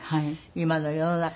今の世の中